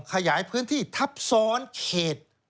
ขยายพื้นที่ทับซ้อนเขต